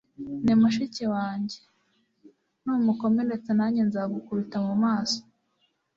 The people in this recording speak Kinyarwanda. ni mushiki wanjye. numukomeretsa nanjye nzagukubita mu maso